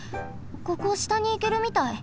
ここしたにいけるみたい。